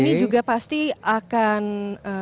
ini juga pasti akan salam salaman ya